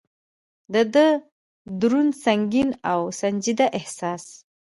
د ده دروند، سنګین او سنجیده احساس.